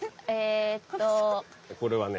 これはね